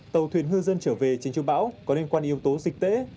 tàu thuyền ngư dân trở về trên trung bão có liên quan yếu tố dịch tễ